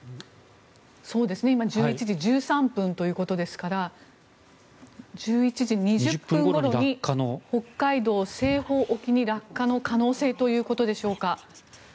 今、１１時１３分ということですから１１時２０分ごろに北海道西方沖に落下の可能性ということでしょうか。